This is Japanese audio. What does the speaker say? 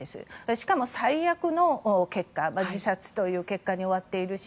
しかも、最悪の結果自殺という結果に終わっているし